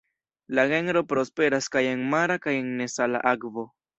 La genro prosperas kaj en mara kaj en nesala akvo.